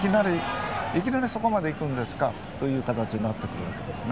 いきなりそこまでいくんですかという形になってくるわけです。